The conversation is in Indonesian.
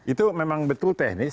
itu memang betul teknis